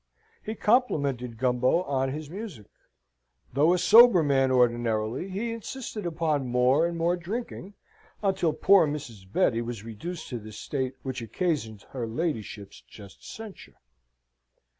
He complimented Gumbo on his music. Though a sober man ordinarily, he insisted upon more and more drinking, until poor Mrs. Betty was reduced to the state which occasioned her ladyship's just censure.